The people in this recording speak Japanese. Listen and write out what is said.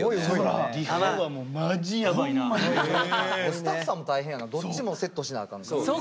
スタッフさんも大変やなどっちもセットしなアカンから。